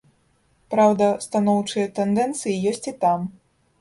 Праўда, станоўчыя тэндэнцыі ёсць і там.